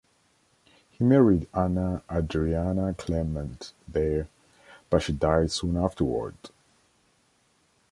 He married Anna Adriana Clement there, but she died soon afterward.